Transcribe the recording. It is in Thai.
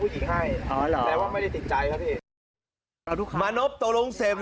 จะให้มีความผิด